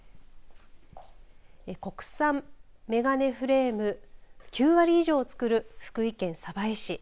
国産眼鏡フレーム９割以上を作る福井県鯖江市。